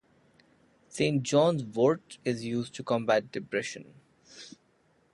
Saint John's wort is used to combat depression.